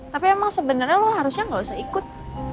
tapi emang sebenarnya lo harusnya gak usah ikut